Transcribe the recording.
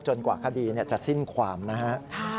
จนกว่าคดีจะสิ้นความนะฮะ